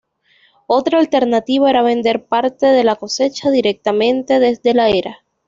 Otra alternativa era vender parte de la cosecha directamente desde la era.